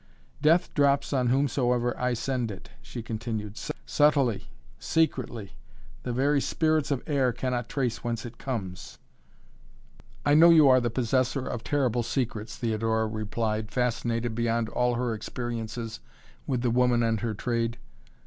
"Death drops on whomsoever I send it," she continued, "subtly, secretly. The very spirits of air cannot trace whence it comes." "I know you are the possessor of terrible secrets," Theodora replied, fascinated beyond all her experiences with the woman and her trade.